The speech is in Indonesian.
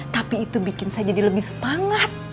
tapi itu bikin saya jadi lebih semangat